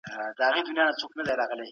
ناوړه کارونو ته نه هڅول کېږي.